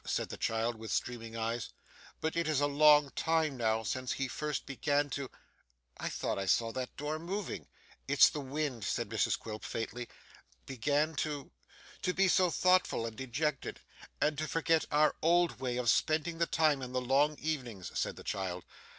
said the child with streaming eyes; 'but it is a long time now, since he first began to I thought I saw that door moving!' 'It's the wind,' said Mrs Quilp, faintly. 'Began to ' 'To be so thoughtful and dejected, and to forget our old way of spending the time in the long evenings,' said the child.